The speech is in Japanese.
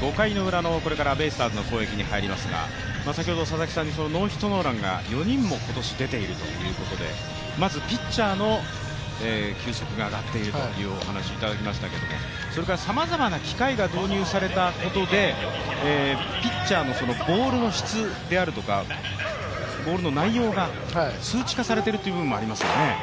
５回の裏のこれからベイスターズの攻撃に入りますが先ほど佐々木さんにノーヒットノーランが４人も今年出ているということで、まずピッチャーの球速が上がっているというお話、いただきましたけどそれからさまざまな機械が導入されたことでピッチャーのボールの質であるとかボールの内容が数値化されているという部分がありますよね？